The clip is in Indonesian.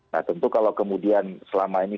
nah tentu kalau kemudian selama ini